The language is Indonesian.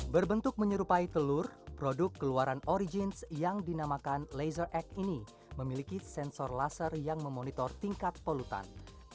berbentuk menyerupai telur produk keluaran origins yang dinamakan laser x ini memiliki sensor laser yang memonitor tingkat polutan